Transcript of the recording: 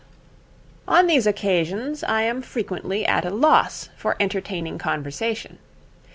'On these occasions I am frequently at a loss for entertaining conversation.